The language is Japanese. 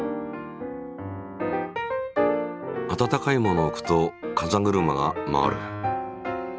温かいものを置くと風車が回る。